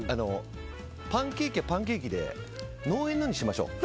パンケーキはパンケーキで農園のにしましょう。